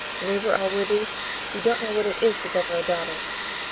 neighbour Allworthy, you don't know what it is to govern a daughter."